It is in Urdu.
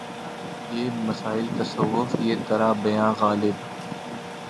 یہ مسائل تصوف یہ ترا بیان غالبؔ